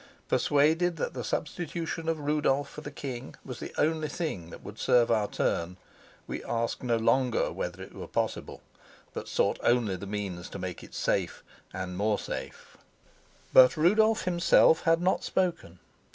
Persuaded that the substitution of Rudolf for the king was the only thing that would serve our turn, we asked no longer whether it was possible, but sought only the means to make it safe. But Rudolf himself had not spoken.